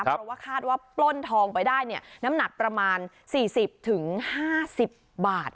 เพราะว่าคาดว่าปล้นทองไปได้น้ำหนักประมาณ๔๐๕๐บาท